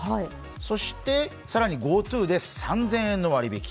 そして、更にＧｏＴｏで３０００円の割引。